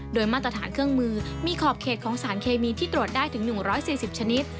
โดยมาตรฐานเครื่องมือมีขอบเขตสารเคมีได้ถึง๑๔๐ชนิด